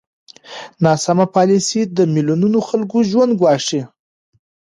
ناسمه پالېسي د میلیونونو خلکو ژوند ګواښي.